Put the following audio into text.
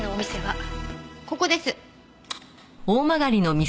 ここです。